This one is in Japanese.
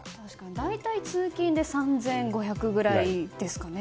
大体、通勤で３５００ぐらいですかね。